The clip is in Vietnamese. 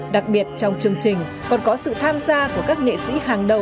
đặc biệt trong chương trình còn có sự tham gia của các nghệ sĩ hàng đầu